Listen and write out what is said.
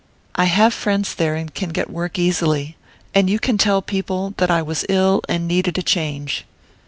I have friends there, and can get work easily. And you can tell people that I was ill and needed a change."